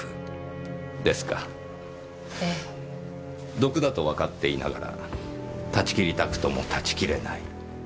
毒だとわかっていながら断ち切りたくとも断ち切れない。